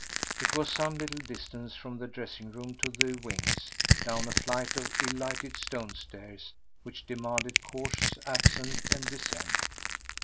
It was some little distance from the dressing room to the wings—down a flight of ill lighted stone stairs which demanded cautious ascent and descent.